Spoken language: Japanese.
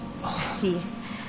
いえ。